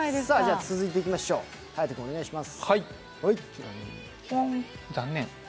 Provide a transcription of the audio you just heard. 続いていきましょう、颯君お願いします。